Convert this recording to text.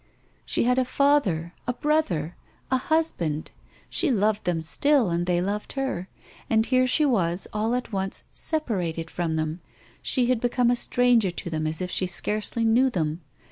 She had a father! a brother! a husband! She loved them still, and they loved her. And here she was all at once separated from them, she had become a stranger to them as if she scarcely knew them.